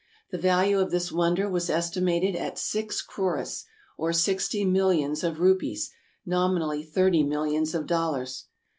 The value of this wonder was estimated at six crores, or sixty millions of rupees, nominally thirty millions of dollars.